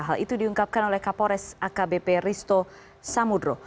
hal itu diungkapkan oleh kapolres akbp risto samudro